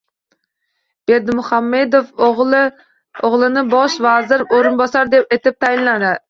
Berdimuhammedov o‘g‘lini bosh vazir o‘rinbosari etib tayinladi